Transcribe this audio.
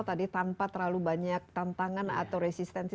tadi tanpa terlalu banyak tantangan atau resistensi